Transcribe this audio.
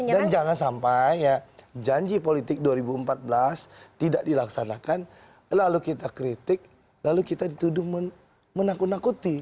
dan jangan sampai janji politik dua ribu empat belas tidak dilaksanakan lalu kita kritik lalu kita dituduh menakut nakuti